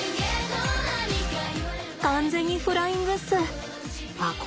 完全にフライングっす。